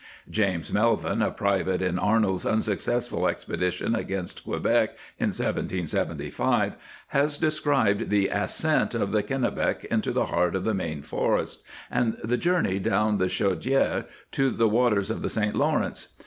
James Melvin, a private in Ar nold's unsuccessful expedition against Quebec in 1775, has described the ascent of the Kenne bec into the heart of the Maine forests, and the journey down the Chaudiere to the waters of the St. Lawrence.